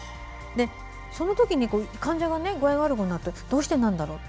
そのときに患者が具合が悪くなったときにどうしてなんだろうと。